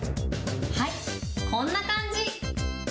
はい、こんな感じ。